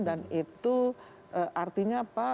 dan itu artinya apa